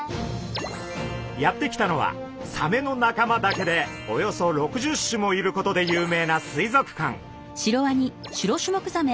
やって来たのはサメの仲間だけでおよそ６０種もいることで有名な水族館。